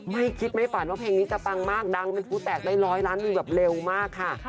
ไม่คิดไม่ฝันว่าเพลงนี้จะปังมากดังเป็นผู้แตกได้ร้อยล้านวิวแบบเร็วมากค่ะ